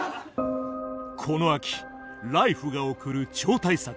この秋「ＬＩＦＥ！」が送る超大作